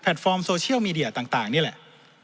ฟอร์มโซเชียลมีเดียต่างนี่แหละ